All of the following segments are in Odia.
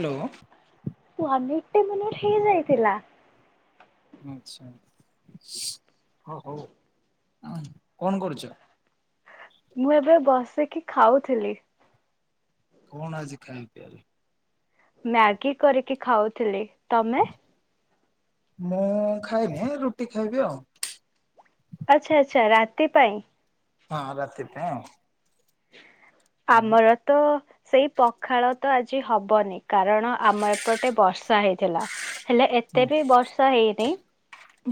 ହ୍ୟାଲୋ। ଗୋଟେ ମିନିଟ ହେଇଯାଇଥିଲା। [unintelligible] ହ ହଉ। କଣ କରୁଛ? ମୁଁ ଏବେ ବସିକି ଖାଉଥିଲି। କଣ ଆଜି ଖାଇ ପିଆରେ? ଏଇ ଖାଉଥିଲି। ତମେ? ମୁଁ ଖାଇନି ରୁଟି ଖାଇବି ଆଉ। ଆଚ୍ଛା ଆଚ୍ଛା ରାତି ପାଇଁ। ହଁ ରାତିପାଇଁ। [inaudible] ଆମର ତ ସେଇ ପଖାଳ। ତ ଆଜି ହବନି। କାରଣ ଆମ ଏପଟେ ବର୍ଷା ହେଇ ଥିଲା। ହେଲେ ହଁ ଏତେ ବି ବର୍ଷା ହେଇନି।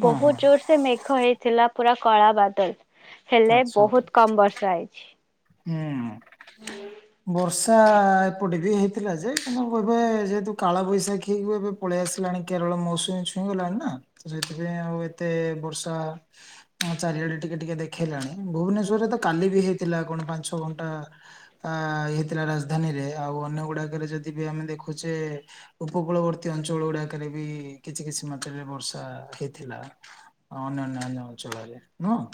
ହଁ ବହୁତ ହଁ ଜୋର ସେ ମେଘ ହେଇଥିଲା ପୁରା କଳା ବାଦଲ। ହେଲେ ଆଚ୍ଛା ବହୁତ କମ ବର୍ଷା ହେଇଛି। ହୁଁ ବର୍ଷା ଏପଟେ ବି ହେଇଥିଲା ଯେ କିନ୍ତୁ ଏବେ ଯେହେତୁ କାଳ ବୈଶାଖୀ ହେଇ ଏବେ ପଳେଇ ଆସିଲାଣି କେରଳ ମୌସୁମୀ ଛୁଇଁଗଲାଣି ନା ସେଥିପାଇଁ ଆଉ ଏତେ ବର୍ଷା ଚାରିଆଡେ ଟିକେ ଟିକେ ଦେଖ ଦେଖେଇଲାଣି ଭୁବନେଶ୍ଵରରେ ତ କାଲି ବି ହେଇଥିଲା କଣ ପାଞ୍ଚ ଛଅ ଘଣ୍ଟା ଆ ହେଇଥିଲା ରାଜଧାନୀରେ ଆଉ ଅନ୍ୟ ଗୁଡାକରେ ଯଦି ବି ଆମେ ଦେଖୁଛେ ଉପକୂଳବର୍ତ୍ତୀ ଅଞ୍ଚଳ ଗୁଡାକରେ ବି କିଛି କିଛି ମାତ୍ରାରେ ବର୍ଷା ହେଇଥିଲା ଅନ୍ୟନ୍ୟ ଅନ୍ୟ ଅଞ୍ଚଳରେ ନୁହଁ।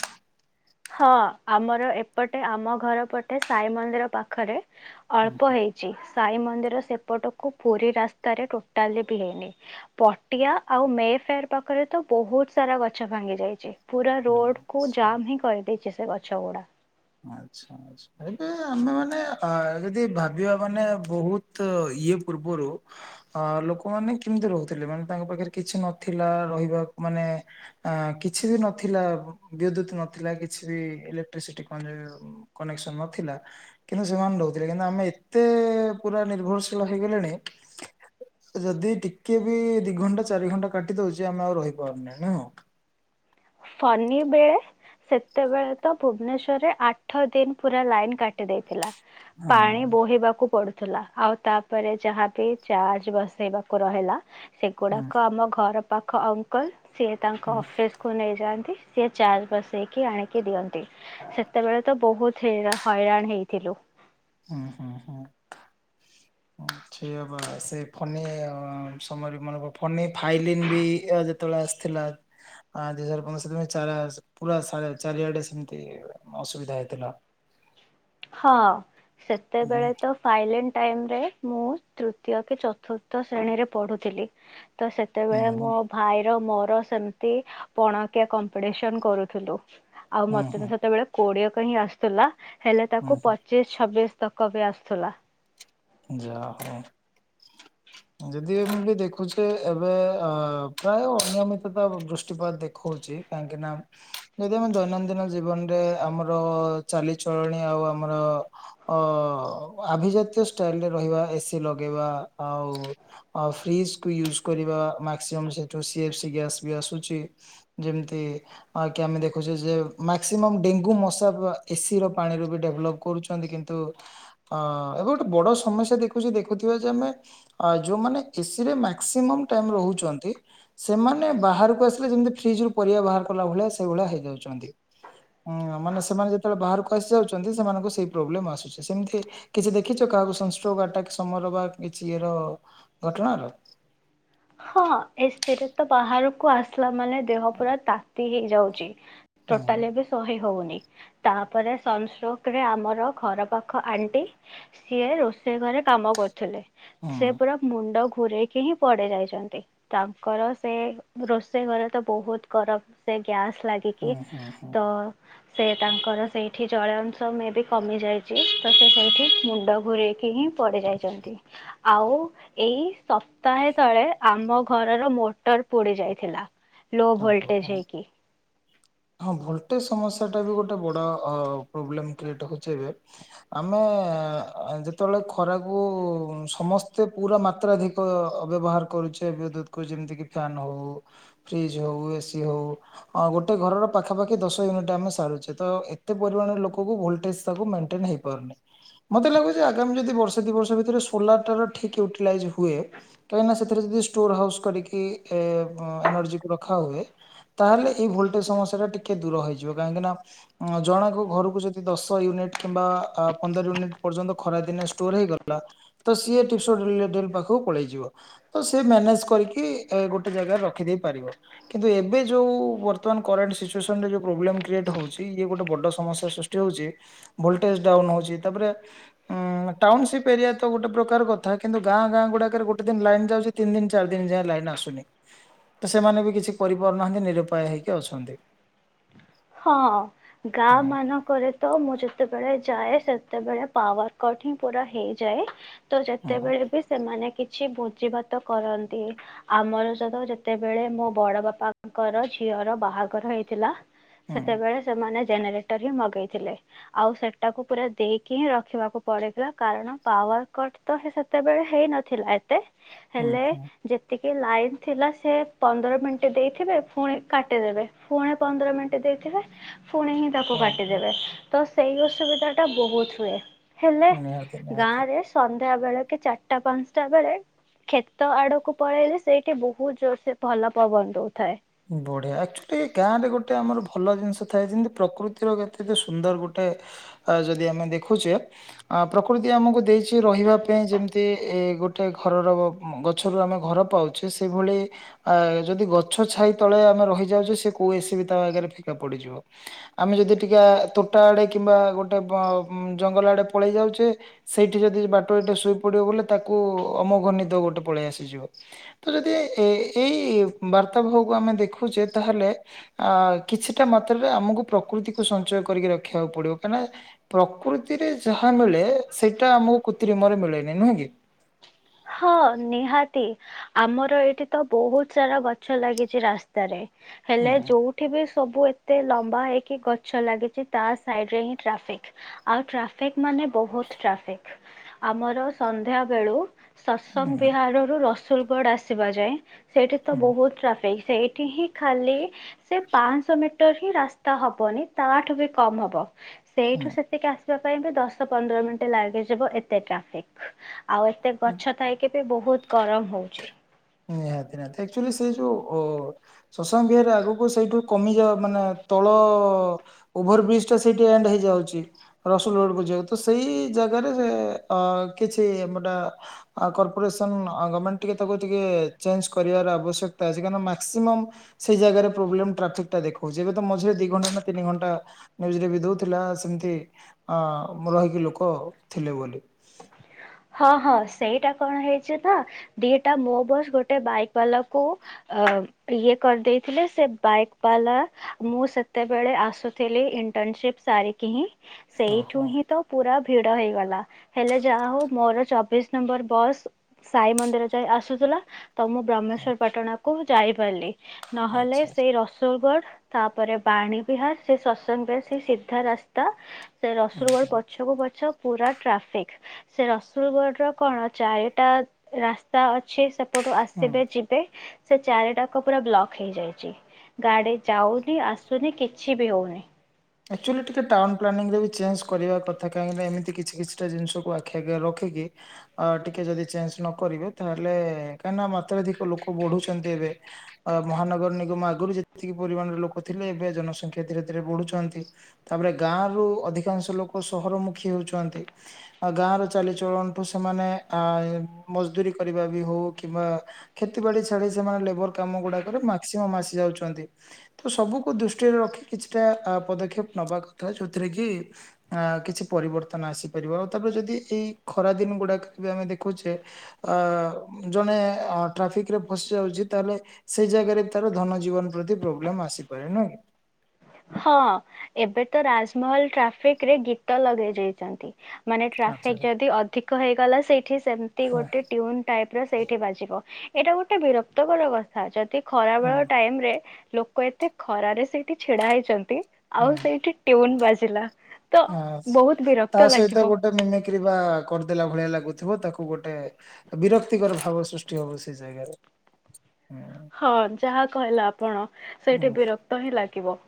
ହଁ ଆମର ଏପଟେ ଆମ ଘର ପଟେ ସାଇ ମନ୍ଦିର ପାଖରେ। ହୁଁ, ଅଳ୍ପ ହେଇଛି। ସାଇ ମନ୍ଦିର ସେପଟକୁ ପୁରୀ ରାସ୍ତାରେ ଟୋଟାଲି ବି ହେଇନି ପଟିଆ ଆଉ ମେ ଫେର ପାଖରେ ତ ବହୁତ ସାରା ଗଛ ଭାଙ୍ଗି ଯାଇଛି। ପୁରା ହୁଁ, ରୋଡ କୁ ହଁ। ଜାମ ହେ ଦେଇେ ସେ ଗଛ ଗୁଡା। ଆଚ୍ଛା ଆଛା ଏବେ ଆମେ ମାନେ ଯଦି ଭାବିବା ମାନେ ବହୁତ ଇଏ ପୂର୍ବରୁ ଅ ଲୋକମାନେ କେମିତି ରହୁଥିଲେ ମାନେ ତାଙ୍କ ପାଖରେ କିଛି ନଥିଲା ରହିବାକୁ ମାନେ କିଛି ବି ନଥିଲା ବିଦ୍ୟୁତ ନଥିଲା କିଛି ବି ଇଲେକ୍ଟ୍ରିସିଟି କନେକ୍ସନ ନଥିଲା କିନ୍ତୁ ସେମାନେ ରହୁଥିଲେ କିନ୍ତୁ ଆମେ ଏତେ ପୁରା ନିର୍ଭରଶୀଳ ହେଇଗଲେଣି ଯଦି ଟିକେ ବି ଦି ଘଣ୍ଟା ଚାରି ଘଣ୍ଟା କାଟି ଦଉଛି ଆମେ ଆଉ ରହିପାରୁନ ନୁହଁ। ଫନିିବେଳେ ସେତେବେଳେ ତ ଭୁବନେସ୍ୱର୍ ରେ ଆଠ ଦିନ ପୁରା ଲାଇନ କାଟି ଦେଇଥିଲା। ପାଣି ହଁ ବୋହିବାକୁ ପଡୁ ଥିଲା ଆଉ ତାପରେ ଯାହାବି ଚାର୍ଜ ବସେଇବାକୁ ରହିଲା ହୁଁ ସେଗୁଡାକ ଆମ ଘର ପାଖ ଅଙ୍କଲ। ସିଏ ତାଙ୍କ ହୁଁ ଅଫିସ କୁ ନେଇ ସିଏ ଚାର୍ ବସେଇକି ଆଣିକି ଦିଅନ୍ତି ସେତେବେଳେ ତ ବହୁତ ହଇରାଣ ହେଇଥିଲୁ। ହୁଁ ହୁଁ ହୁଁ ଠିକ ବା ସେ ଫନି ସମୟରେ ମ ଫନି ଫାଇଲି ବି ଯେତେବେଳେ ଆସିଥିଲା ଦୁଇ ହଜାର ପନ୍ଦରିନାର ପୁରା ଚାରିଆଡେ ସେମିତି ଅସୁବିଧା ହେଇଥିଲା। ହଁ। ହୁଁ ସେତେବେଳେ ତ ଫାଇଲେଣ୍ଡ ଟାଇମରେ ମୁଁ ତୃତୀୟ କି ଚତୁର୍ଥ ଶ୍ରେଣୀରେ ପଢୁଥିଲି। ତ ସେତେବେଳେ ମୋ ଭାଇର ମୋ ସେମତି ପଣକିଆ କମ୍ପିଟିସନ କରୁଥିଲୁ। ଆଉ ହୁଁ ମତେ ତ ହୁଁ ସେତେବେଳେ କୋଡିଏ ସେଥି ପାଇଁ ଆସୁଥିଲା ହେଲେ ହୁଁ କୁ ପଚିଶ ଛବିଶ ତକ ବି ଆସୁଥିଲା। ଯା ହୋଉ ଯଦି ଏମ ବି ଦେଖୁଛେ ଏବେ ଅ ପ୍ରାୟ ଅନିୟମିତତା ବୃଷ୍ଟିପାତ ଦେଖଉଛି କାହିଁକି ନା ଯଦି ଆମେ ଦୈନନ୍ଦିନ ଜୀବନରେ ଆମର ଚାଲିଚଳଣି ଆଉ ଆମର ଆମର ଆଭିଜାତୀୟ ଷ୍ଟାଇଲରେ ରହିବା ଏସି ଲଗେଇବା ଆଉ ଫ୍ରିଜ କୁ ୟୁଜ କରିବା ମକ୍ସିମମ ସିଏଫସି ଗ୍ୟାସ୍ ବି ଆସୁଛି ଯେମତି କି ଆମେ ଦେଖୁଛେ ଯେ ମାକ୍ସିମମ୍ ଡେଙ୍ଗୁ ମଶା ଏସି ର ପାଣିରୁ ବି ଡେଭଲପ୍ କରୁଛନ୍ତି କିନ୍ତୁ ବଡ ସମସ୍ୟା ଦେଖୁଛନ୍ତି ଦେଖୁିଥିବେ ଯେ ଆମେ ଯୋଉମାନେ ଏସି ରେ ମାକ୍ସିମମ ଟାଇମ୍ ରହୁଛନ୍ତି ସେମାନେ ବାହାରକୁ ଆସିଲେ ଯେମତି ଫ୍ରିଜ ରୁ ପରିବା ବାହାର କଲା ଭଳିଆ ସେଇ ଭଳିଆ ହେଇଯାଉଛନ୍ତି ମାନେ ସେମାନେ ଯେତେବେଳେ ବାହାରକୁ ଆସି ଯାଉଛନ୍ତି ସେମାନଙ୍କୁ ସେଇ ପ୍ରୋବ୍ଲେ ସେମିତି ଆସୁଛି। ଦେଖିଛ କାହାକୁ ସଂସଟ୍ରୋକ ଆଟାକ ସମୟର ବା କିଛି ଇର ଘଟଣାର। ହଁ ଏଥିରେ ତ ବାହାରକୁ ଆସିଲା ମାନେ ଦେହ ପୁରା ତା ତି ହେଇଯାଉଛି। ହୁଁ ଟୋଟାଲ ଏବେ ଶହେ ହଉନି ତାପରେ ସନଷ୍ଟୋକ୍ ରେ ଆମର ଘର ପାଖ ଆଣ୍ଟି ସିଏ ରୋଷେଇ ଘରେ କାମ କରୁଥିଲେ ହୁଁ ସେ ପୁରା ମୁଣ୍ଡକୁ ଘୁରେଇକି ହିଁ ପଡି ଯାଇଛନ୍ତି। ତାଙ୍କର ସେ ରୋଷେଇ ଘରେ ତ ବହୁତ ଗରମ ସେ ଗ୍ୟାସ୍ ଲାଗିକି ହୁଁ ହୁଁ ହୁଁ ତ ସେ ତାଙ୍କର ସେଇଠି ଜଳୀୟ ଅଂଶ ମେ ବି କମିଯାଇଛି ତ ସେ ସେଇଠି ମୁଣ୍ଡ ଘୁରୋଇକି ହିଁ ପଡ଼ିଯାଇଛନ୍ତି ଆଉ ଏଇ ସପ୍ତାହେ ତଳେ ଆମ ଘରର ମୋଟର ପୋଡି ଯାଇଥିଲା। ଲୋ ଓହୋ। ଭୋଲଟେଜ ହେଇକି। ହଁ ଭୋଲଟେଜ ସମସ୍ୟା ଟା ବି ଗୋଟେ ବଡ ପ୍ରୋବ୍ଲେମ କ୍ରିଏଟ ହଉଛି ଏବେ ଆମେ ଯେତେବେଳେ ଖରାକୁ ସମସ୍ତେ ପୁରା ମାତ୍ରାଧିକ ବ୍ୟବହାର କରୁଛେ ବିଦ୍ୟୁତକୁ ଯେମିତିକି ଫ୍ୟାନ୍ ହୋଉ ଫ୍ରିଜ୍ ହୋଉ ଏସିି ହଉ ଗୋଟେ ଘରର ପାଖାପାଖି ଦଶ ୟୁନିଟ୍ ଆମେ ସାରୁଛେ ତ ଏତେ ପରିମାଣରେ ଲୋକଙ୍କୁ ଭୋଲ୍ଟେଜ୍ ତାକୁ ମେଣ୍ଟେନ ହେଇପାରୁନି ମୋତେ ଲାଗୁଛି ଆଗାମୀ ଯଦି ବର୍ଷେ ଦୁଇ ବର୍ଷ ଭିତରେ ସୋଲାରଟାର ଠିକ୍ ୟୁଟିଲାଇଜ୍ ହୁଏ କାହିଁକିନା ସେଥିରେ ଯଦି ଷ୍ଟୋର ହାଉସ୍ କରିକି ଏନୋର୍ଜି ରଖା ହୁଏ ତାହେଲେ ଏଇ ଭୋଲଟେଜ ସମସ୍ୟା ଟା ଟିକେ ଦୂର ହେଇଯିବ କାହିଁକି ନା ଜଣଙ୍କ ଘରକୁ ଯଦି ଦଶ ୟୁନିଟ କିମ୍ବା ପନ୍ଦର ୟୁନିଟ ପର୍ଯ୍ୟନ୍ତ ଖରା ଦିନେ ଷ୍ଟୋର ହେଇଗଲା ତ ସିଏ ପାଖକୁ ପଳେଇଯିବ ତ ସିଏ ମ୍ୟାନେଜ କରିକି ଗୋଟେ ଜାଗାରେ ରଖିଦେଇ ପାରିବ। କିନ୍ତୁ ଏବେ ଯୋଉ ବର୍ତ୍ତମାନ କରେଣ୍ଟ ସିଚୁଏନରେ ପ୍ରୋବ୍ଲେ୍ରଏଟ ହଉଛି ଇଏ ଗୋଟେ ବ ସମସ୍ୟା ସୃଷ୍ଟି ହଉଛି ଭୋଲଟେଜ ଡାଉନ ହଉଛି ତାପରେ ଉ ଟାଉନସିପ୍ ଏରିଆ ତ ଗୋଟେ ପ୍ରକାର କଥା କିନ୍ତୁ ଗାଁ ଗାଁ ଗୁଡାକରେ ଗୋଟେ ଦିନ ଲାଇନ୍ ଯାଉଛି ତିନି ଦିନ ଚାର ଦିନ ଯାଏ ଲାଇନ ଆସୁନି ତ ସେମାନେ ବି କିଛି କରିପାରୁନାହାନ୍ତି ନିରୁପାୟ ହେଇକି ଅଛନ୍ତି। ହଁ ଗାଁ ହୁଁ ମାନଙ୍କରେ ତ ମୁଁ ଯେ ତେବେଳେ ଯାଏ ସେତେବେଳେ ପାୱାର କଟ ହିଁ ପୁରା ହେଇଯାଏ। ତ ହୁଁ ଯେତେବେଳେ ବି ସେମାନେ କିଛି ଭୋଜି ଭାତ କରନ୍ତି, ଆମର ସେ ଯେତେବେଳେ ମୋ ବଡ ବାପାଙ୍କର ଝିଅର ବାହାଘର ହେଇଥିଲା ହୁଁ ସେତେବେଳେ ସେମାନେ ଜେନେରେଟର ହିଁ ମଗେଇଥିଲେ ଆଉ ସେଟାକୁ ପୁରା ଦେଇକି ହିଁ ରଖିବାକୁ ପଡ଼ିଥିଲା କାରଣ ପାୱାର କଟ୍ ତ ସେତେବେଳେ ହେଇନଥିଲା ଏତେ ହୁଁ ହେଲେ ହୁଁ ଯେତିକି କି ଲାଇନ ଥିଲା ସେ ପନ୍ଦର ମିନିଟ୍ ଦେଇଥିବେ ପୁଣି କାଟିଦେବେ ପୁଣି ପନ୍ଦର ମିନିଟ୍ ଦେଇଥିବେ ପୁଣି ହିଁ ତାକୁ କୁହନ୍ତୁ କାଟିଦେବେ। ତ ସେଇ ଅସୁବିଧା ଟା ବହୁତ ହୁଏ। ହେଲେ ନିହାତି ନିହାତି। ଗାଁରେ ସ ସନ୍ଧ୍ୟା ବେଳେ କି ଚାରିଟା ପାଞ୍ଚଟା ବେଳେ କ୍ଷେତ ଆଡକୁ ପଳେଇଲେ ସେଇଠି ବହୁତ ଜୋର ସେ ଭଲ ପବନ ଦଉଥାଏ। ବଢିଆ ଆକ୍ଚୁଆଲି ଗାଁରେ ଗୋଟେ ଆମର ଭଲ ଜିନିଷ ଥାଏ ଯେମତି ପ୍ରକୃତିର କେତେ ସୁନ୍ଦର ଗୋଟେ ଯଦି ଆମେ ଦେଖୁଛେ, ପ୍ରକୃତି ଆମକୁ ଦେଇଛି ରହିବା ପାଇଁ ଯେମିତି ଏ ଗୋଟେ ଘରର ଗଛରୁ ଆମେ ଘର ପାଉଛେ ସେଇଭଳି ଯଦି ଗଛ ଛାଇ ତଳେ ଆମେ ରହିଯାଉଛେ ସେ କୋ ଆସ ବି ତା ଆଗରେ ଫିକା ପଡିଯିବ ଆମେ ଯଦି ଟିକେ ତୋଟା ଆଡେ କିମ୍ବା ଗୋଟେ ଜଙ୍ଗଲ ଆଡେ ପଳେଇ ଯାଉଛେ ସେଇଠି ଯଦି ବାଟ ଏଟେ ଶୋଇ ପଡିବ ବୋଲେ ତାକୁ ଅମଘନିତ ଗୋଟେ ପଳେଇ ଆସିଯିବ ତ ଯଦି ଏଇ ବାର୍ତା ବ ଆମେ ଦେଖୁଛେ ତାହେଲେ ଆ କିଛିଟା ମାତ୍ରାରେ ଆମକୁ ପ୍ରକୃତିକୁ ସଞ୍ଚୟ କରିକି ରଖିବାକୁ ପଡିବ କାହିଁକିନା ପ୍ରକୃତିରେ ଯାହା ମିଳେ ସେଇଟା ଆମକୁ କୃତ୍ରିମରେ ମିଳେନି ନୁହେଁ କି? ହଁ ନିହାତି ଆମର ଏଇଠି ତ ବହୁତ ସାରା ଗଛ ଲାଗିଛି ରାସ୍ତାରେ ହେଲେ ହୁଁ ଯୋଉଠି ବି ସବୁ ଏତେ ଲମ୍ବା ହେଇକି ଗଛ ଲାଗିଛି, ତା ସାଇଡରେ ଟ୍ରାଫିକ ଆଉ ଟ୍ରାଫିକ ମାନେ ବହୁତ ଟ୍ରାିକ ଆମର ସନ୍ଧ୍ୟା ବେଳୁ ସସଙ୍ଗ ବିହାରରୁ ର ସଲଗଡ ଆସିବା ଯାଏ। ସେଇଠି ତ ହୁଁ ବହୁତ ଟ୍ରାଫିକ୍ ସେଇଠି ହିଁ ଖାଲି ସେ ପାଞ୍ଚଶହ ମିଟର ହିଁ ରାସ୍ତା ହେବନି ତାଠୁ ବି କମ ହେବ ହୁଁ ସେଇଠୁ ହୁଁ ସେତିକି ଆସ ପାଇଁ ଦଶ ପନ୍ଦର ମିନିଟ ଲାଗିଯିବ ଏତେ ଟ୍ରାଫିକ ଆଉ ଏତେ ଗଛଥାଏ କେବେ ବହୁତ ଗରମ ହଉଛି। ନିହାତି ନିହାତି ଆକ୍ଚୁଆଲି ସେ ଯୋଉ ସସଙ୍ଗ ବିହରେ ଆଗକୁ ସେଇଠୁ କମିଯାଉ ମାନେ ତଳ ଓଭର ବ୍ରିଜ ଟା ସେଇଠି ଏଣ୍ଡ ହେଇଯାଉଛି, ରସୁଲ ରୋଡ କୁ ଯାଉ ତ ସେଇ ଜାଗାରେ ସେ କିଛିମୋଟା କର୍ପୋରେସନ ଗଭର୍ଣମେଣ୍ଟ ଟିକେ ତାକୁ ଟିକେ ଚଞ୍ କରିବାର ଆବଶ୍ୟକତା ଅଛି କ ମାସିମ ସେଇ ଜ ପ୍ରବ୍ଲେ୍ରାିକା ଦେଖଛି ଏବେ ତ ମଝିରେ ଦି ଘଣ୍ଟା ନା ତିନି ଘଣ୍ଟାଜରେ ବି ଦଉଥିଲା ସେମିତି ରହିକି ଲୋକ ଥିଲେ ବୋଲି ହଁ ହଁ ସେଇଟା କଣ ହେଇଛି ନା ଦିଟା ମୋ ବସ୍ ଗୋଟେ ବାଇକ୍ ବାଲାକୁ ଇଏ କରିଦେଇଥିଲେ ସେ ବାଇକ୍ ବାଲା ମୁଁ ସେତେବେଳେ ଆସୁଥିଲି ଇଣ୍ଟର୍ନସିପ ସାରିକି ହିଁ ସେଇଠୁ ଓହୋ ହିଁ ତ ପୁରା ଭିଡ ହେଇଗଲା ହେଲେ ଯାହା ହଉ। ମୋର ଚବିଶ ନମ୍ବର ବସ୍ ସାଇ ମନ୍ଦିର ଯାଇ ଆସୁଥିଲ। ତ ମୁ ବ୍ରହ୍ମେଶ୍ୱର ପାଟଣା କ ମୁଁ ଯାଇପାରିଲି। ନହେଲେ ଆଚ୍ଛା ଆଚ୍ଛା ସେଇ ରସୋଲଗଡ ତାପରେ ବାଣୀ ବିହାର ସେ ସସଙ୍ଗବିହାର ସେ ସିଧା ରାସ୍ତା। ସେ ହୁଁ ରସୁ ଗୋଡ ହୁଁ ପଛକୁ ପଛ ପୁରା ଟ୍ରାଫିକ ସେ ରସୁଲଗଡ଼ ର କଣ ଚାରିଟା ରାସ୍ତା ଅଛି ସେ ଏପଟୁ ହୁଁ ଆସିବେ ଯିବେ ସେ ଚାରିଟାକ ପୁରା ବ୍ଲକ୍ ହେଇଯାଇଛି ଗାଡି ଯାଉନି ଆସୁନି କିଛି ବି ହଉନି। ଆକ୍ଚୁଆଲି ଟିକେ ଟାଉନ ପ୍ଲାନିଂରେ ବି ଚେଞ୍ଜ କରିବା କଥା କାହିଁକିନା ଏମିତି କିଛି କିଛିଟା ଜିନିଷକୁ ଆଖି ଆଗରେ ରଖିକି ଟିକେ ଯଦି ଚେଞ୍ଜ ନ କରିବେ ତାହେଲେ କାହିଁକି ନା ମାତ୍ରାଧିକ ଲୋକ ବଢୁଛନ୍ତି ଏବେ ମହାନଗର ନିଗମ ଆଗରୁ ଯେତିକି ପରିମାଣର ଲୋକ ଥିଲେ ଏବେ ଜନସଂଖ୍ୟା ଧୀରେ ଧୀରେ ବଢୁଛନ୍ତି। ତାପରେ ଗାଁ ରୁ ଅଧିକାଂଶ ଲୋକ ସହରମୁଖୀ ହଉଛନ୍ତି ଗାଁ ର ଚାଲିଚଳନଠୁ ସେମାନେ ଆ ମଜଦୁରୀ କରିବା ବି ହଉ କିମ୍ବା ଖେତ ବାଡି ଛାଡି ସେମାନେ ଲେବର କାମ ଗୁଡାକରେ ମାକ୍ସିମମ୍ ଆସି ଯାଉଛନ୍ତି ତ ସବୁକୁ ଦୃଷ୍ଟିରେ ରଖି କିଛିଟା ପଦେପ ପଦକ୍ଷେପ ନବା କଥା ଯୋଉଥିରେ କି ଆ କିଛି ପରିବର୍ତ୍ତନ ଆସିପାରିବ ଆଉ ତାପରେ ଯଦି ଏଇ ଖରା ଦିନ ଗୁଡାକ ବି ଆମେ ଦେଖୁଛେ ଅ ଜଣେ ଟ୍ରାଫିକ ରେ ଫସି ଯାଉଛି ତାହେଲେ ସେଇ ଜାଗାରେ ତାର ଧନ ଜୀବନ ପ୍ରତି ପ୍ରୋବ୍ଲେମ ଆସିପାରେ ନାହି। ହଁ ଏବେ ତ ରାଜମହଲ ଟ୍ରାଫିକ ରେ ଗୀତ ଲଗେଇ ଯାଇଛନ୍ତି। ମାନେ ଆଚ୍ଛା। ଟ୍ରାଫିକ ଯଦି ଅଧିକ ହେଇଗଲା ସେଇଠି ସେମିତି ହଁ ଗୋଟେ ଟନ ଟାଇପ ର ସେଇଠି ବାଜିବ ଏଇଟା ଗୋଟେ ବିରକ୍ତକର ଅବସ୍ଥା ଯଦି ହଁ ଖରାବେଳ ଟାଇମ ରେ ଲୋକ ଏତେ ଖରାରେ ସେଇଠି ଛିଡା ହେଇଛି। ଛନ୍ତି ଆଉ ସେଇଠି ଟ୍ୟୁନ ବାସ ଜିଲ୍ଲା ଆ ତା ସହିତ ଗୋଟେ ମିମିକିରି ବା। କରିଦେଲା ଭଳିଆ ଲାଗୁଥିବ ତାକୁ ଗୋଟେ ବିରକ୍ତିକର ଭାବ ସୃଷ୍ଟି ହବ ସେ ଜାଗାରେ। ହୁଁ ହଁ ଯାହା କହିଲା ଆପଣ ହୁଁ। ସେଇଠି ବିରକ୍ତ ହିଁ ଲା। ଗିବ।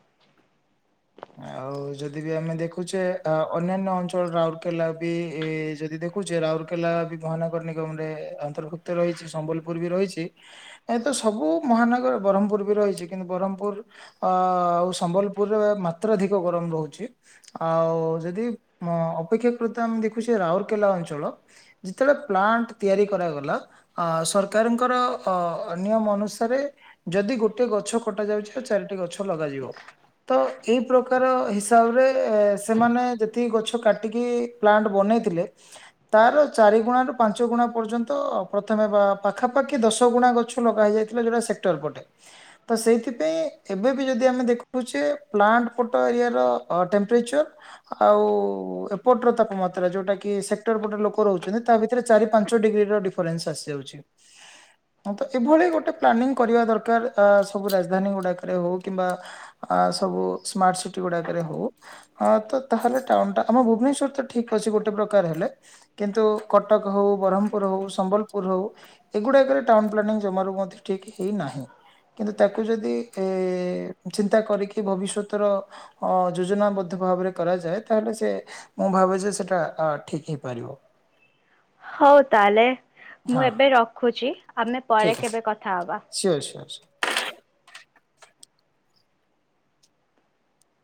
ଆଉ ଯଦି ବି ଆମେ ଦେଖୁଛେ ଆ ଅନ୍ୟାନ୍ୟ ଅଞ୍ଚଳ ରାଉରକେଲା ବି ଇ ଯଦି ଦେଖୁଛେ ରାଉରକେଲା ବି ମହାନଗର ନିଗମରେ ଅନ୍ତର୍ଭୁକ୍ତ ରହିଛି ସମ୍ବଲପୁର ବି ରହିଛି ଏ ତ ସବୁ ମହାନଗର ବ୍ରହ୍ମପୁର ବି ରହିଛି କିନ୍ତୁ ବ୍ରହ୍ମପୁର ଅ ଆଉ ସମ୍ବଲପୁରରେ ମା। ମାତ୍ରାଧିକ ଗରମ ରହୁଛି ଆଉ ଯଦି ମ ଅପେକ୍ଷାକୃତ ଆମେ ଦେଖୁଛେ ରାଉରକେଲା ଅଞ୍ଚଳ ଯେତେବେଳେ ପ୍ଲାଣ୍ଟ ତିଆରି କରାଗଲା ଆ ସରକାରଙ୍କର ଅ ନିୟମ ଅନୁସାରେ ଯଦି ଗୋଟେ ଗଛ କଟାଯାଉଛି ଆଉ ଚାରିଟି ଗଛ ଲଗାଯିବ ତ। ଏହି ପ୍ରକାର ହିସାବରେ ଏ ସେମାନେ ଯେତିକି ଗଛ କାଟିକି ପ୍ଲାଣ୍ଟ ବନେଇଥିଲେ ତାର ଚାରିଗୁଣାରୁ ପାଞ୍ଚ ଗୁଣା ପର୍ଯ୍ୟନ୍ତ ପ୍ରଥମେ ବା ପାଖାପାଖି ଦଶ ଗୁଣା ଗଛ ଲଗା ହେଯାଇଥିଲା ଯେଉଁଟା ସେକ୍ଟର ପଟେ ତ ସେଇଥିପାଇଁ ଏବେ ବି ଯଦି ଆମେ ଦେଖୁଛେ। ପ୍ଲାଣ୍ଟପଟ ଏରିଆ ର ଟେମ୍ପ୍ରଚର ଆଉ ଏପଟର ତାପମାତ୍ରା ଯୋଉଟା କି ସେକ୍ଟର ପଟ ଲୋକ ରହୁଛନ୍ତି ତା ଭିତରେ ଚାରି ପାଞ୍ଚ ଡିଗ୍ରୀ ର ଡିଫରେନ୍ସ ଆସିଯାଉଛି ତ ଏଭଳି ଗୋଟେ ପ୍ଲାନିଂ କରିବା ଦରକାର ଅ ସବୁ ରାଜଧାନୀ ଗୁଡାକରେ ହଉ କିମ୍ବା ଆ। ସବୁ ସ୍ମାର୍ଟ ସିଟି ଗୁଡ଼ାକରେ ହଉ ଅ ତ ତାହେଲେ ଟାଉନଟା ଆମ ଭୁବନେଶ୍ୱର ତ ଠିକ୍ ଅଛି ଗୋଟେ ପ୍ରକାର ହେଲେ କିନ୍ତୁ କଟକ ହଉ ବ୍ରହ୍ମପୁର ହଉ ସମ୍ବଲପୁର ହଉ ଏଗୁଡ଼ାକରେ ଟାଉନ ପ୍ଲାନିଂ ଜମାରୁ ମଧ୍ୟ ଠିକ୍ ହେଇନାହିଁ କିନ୍ତୁ ତାକୁ ଯଦି ଇ ଚିନ୍ତା କରିକି। ଭବିଷ୍ୟତର ଅ ଯୋଜନାବଦ୍ଧ ଭାବରେ କରାଯାଏ ତାହେଲେ ସେ ମୁଁ ଭାବେ ଯେ ସେଟା ଠିକ ହେଇପାରିବ। ହଉ ତାହଲେ ହଁ ମୁଁ ଏବେ ରଖୁଛି ଆମେ ପରେ ଠିକ ଅଛି କେବେ କଥା ହବା। Sure sure.